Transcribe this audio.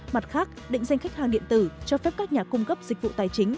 mặt khác định danh khách hàng điện tử cho phép các nhà cung cấp dịch vụ tài chính